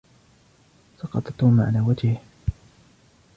سقط توم على وجهه.